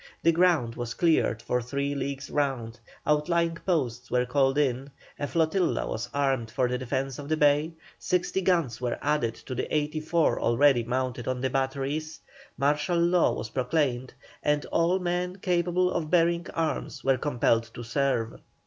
The ground was cleared for three leagues round, outlying posts were called in, a flotilla was armed for the defence of the bay, sixty guns were added to the eighty four already mounted on the batteries, martial law was proclaimed, and all men capable of bearing arms were compelled to serve.